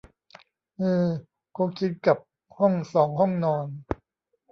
อือ คงชินกับห้องสองห้องนอน